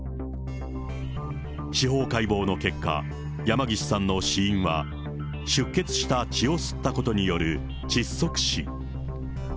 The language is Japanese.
司法解剖の結果、山岸さんの死因は出血した血を吸ったことによる窒息死。